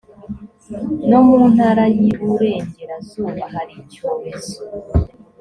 no mu ntara y iburengerazuba hari icyorezo